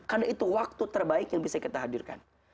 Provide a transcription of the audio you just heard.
karena itu waktu terbaik yang bisa kita hadirkan